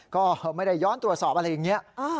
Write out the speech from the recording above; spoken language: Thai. ก็ไม่ได้ย้อนตรวจสอบอะไรอย่างนี้